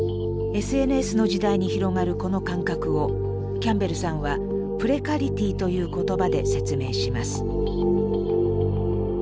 ＳＮＳの時代に広がるこの感覚をキャンベルさんは「ｐｒｅｃａｒｉｔｙ」という言葉で説明します。